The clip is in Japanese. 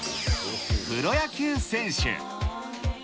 プロ野球選手。